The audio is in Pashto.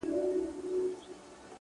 د دې نړۍ انسان نه دی په مخه یې ښه؛